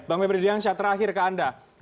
bang peberdian syarat terakhir ke anda